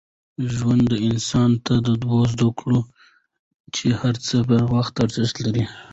ژوند انسان ته دا ور زده کوي چي هر څه په وخت ارزښت لري.